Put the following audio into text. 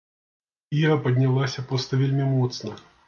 Іра паднялася проста вельмі моцна.